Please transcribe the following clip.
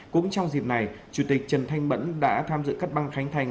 cũng trong dịp này chủ tịch trần thanh mẫn đã tham dự cắt băng khánh thành